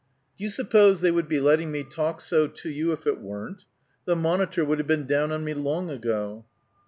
"Do you suppose they would be letting me talk so to you if it weren't? The monitor would have been down on me long ago."